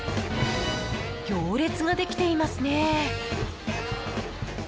行列ができていますね。